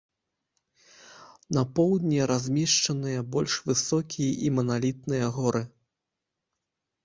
На поўдні размешчаныя больш высокія і маналітныя горы.